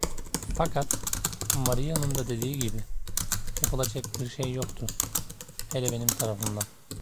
Fakat, Maria'nın da dediği gibi, yapılacak bir şey yoktu; hele benim tarafımdan.